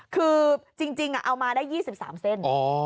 คือจริงเอามาได้๒๓เส้น